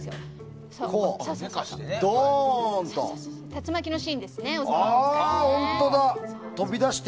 竜巻のシーンですね。